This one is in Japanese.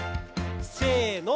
せの。